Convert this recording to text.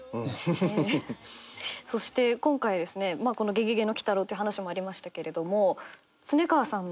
そして今回『ゲゲゲの鬼太郎』って話もありましたけれども。